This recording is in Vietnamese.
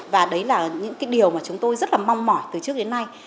và đấy là những cái điều mà chúng tôi rất là mong mỏi từ trước đến nay